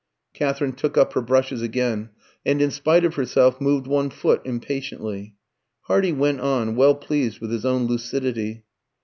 '" Katherine took up her brushes again, and in spite of herself moved one foot impatiently. Hardy went on, well pleased with his own lucidity.